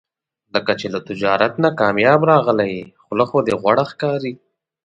لکه چې تجارت نه کامیاب راغلی یې، خوله خو دې غوړه ښکاري.